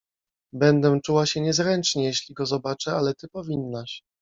"Będę czuła się niezręcznie, jeśli go zobaczę, ale ty powinnaś."